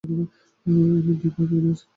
তার দুই ভাই-বোন আছে।